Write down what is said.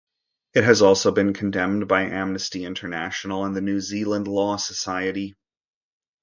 It has also been condemned by Amnesty International and the New Zealand Law Society.